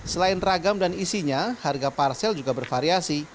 selain ragam dan isinya harga parsel juga bervariasi